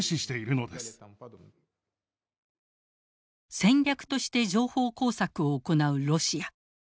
戦略として情報工作を行うロシア。